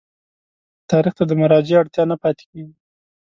تاریخ ته د مراجعې اړتیا نه پاتېږي.